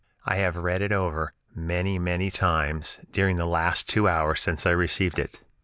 I have read it over many, many times during the last two hours since I received it.